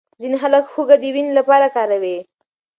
ځینې خلک هوږه د وینې لپاره کاروي.